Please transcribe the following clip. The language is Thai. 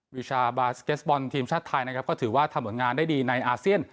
วิชาบาสเก็สบอลทีมชาติไทยนะครับก็ถือว่าทำผลงานได้ดีในอาเซียน